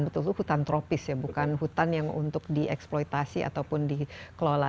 betul betul hutan tropis ya bukan hutan yang untuk dieksploitasi ataupun dikelola